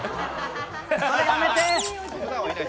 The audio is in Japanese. それやめて！